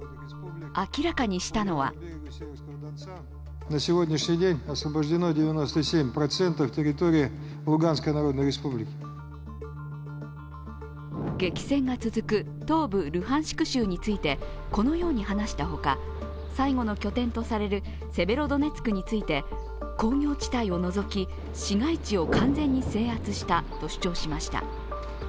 明らかにしたのは激戦が続く東部ルハンシク州について、このように話した他最後の拠点とされるセベロドネツクについて工業地帯を除き、市街地を完全に制圧したと主張しました。